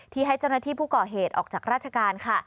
ให้เจ้าหน้าที่ผู้ก่อเหตุออกจากราชการค่ะ